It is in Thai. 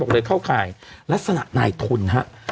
บอกเลยเข้าข่ายลักษณะนายทุนครับ